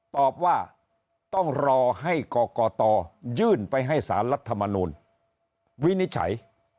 ตอบว่าต้องรอให้กรกตยื่นไปให้สารรัฐมนูลวินิจฉัย